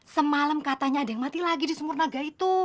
semalam katanya ada yang mati lagi di sumur naga itu